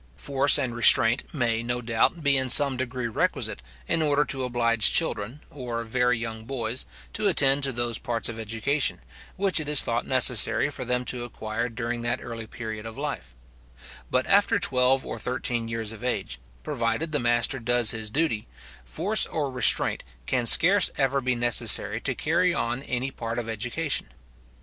Force and restraint may, no doubt, be in some degree requisite, in order to oblige children, or very young boys, to attend to those parts of education, which it is thought necessary for them to acquire during that early period of life; but after twelve or thirteen years of age, provided the master does his duty, force or restraint can scarce ever be necessary to carry on any part of education.